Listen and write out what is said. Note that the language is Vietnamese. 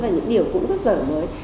và những điều cũng rất dở mới